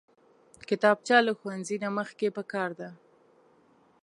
کتابچه له ښوونځي نه مخکې پکار ده